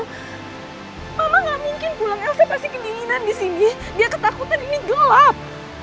mama tidak mungkin pulang elsa pasti kedinginan di sini dia ketakutan ini gelap